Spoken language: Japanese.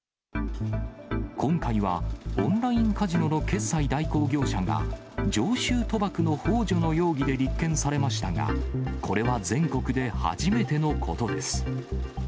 今回は、オンラインカジノの決済代行業者が、常習賭博のほう助の容疑で立件されましたが、これは全国で初めてのことです。